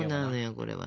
これは。